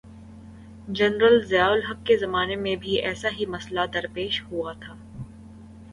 General Zia ul Haq کے زمانے میں بھی ایسا ہی مسئلہ درپیش ہوا تھا۔